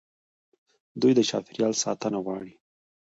دوی د چاپیریال ساتنه غواړي.